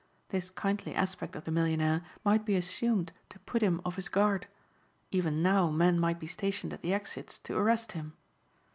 This kindly aspect of the millionaire might be assumed to put him off his guard; even now men might be stationed at the exits to arrest him.